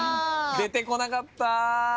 出てこなかった。